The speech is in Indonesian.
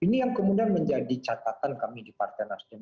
ini yang kemudian menjadi catatan kami di partai nasdem